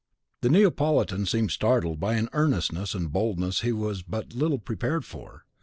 The Neapolitan seemed startled by an earnestness and boldness he was but little prepared for.